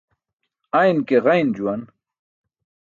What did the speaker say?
Ayn ke ġayn juwan.